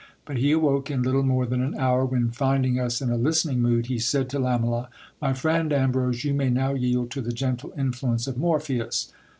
But he awoke in little more than an hour, when, find rig us in a listening mood, he said to Lamela — My friend Ambrose, you may paw yield to the gentle influence of Morpheus.